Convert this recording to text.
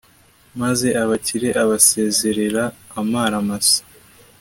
maze abakire abasezerera amara masa